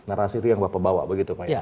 narasi itu yang bapak bawa begitu pak ya